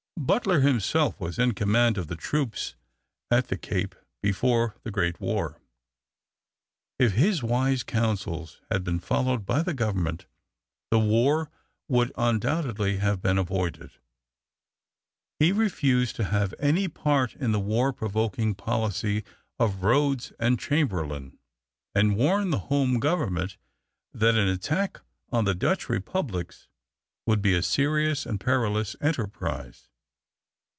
Butler himself was in command of the troops at the Cape before the great war. If his wise counsels had been followed by the Government, the war would undoubtedly have been avoided. He refused to have any part in the war provoking policy of Rhodes and Chamberlain, and warned the Home Government that an attack on the Dutch republics would be a serious and perilous enterprise.